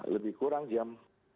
lebih kurang jam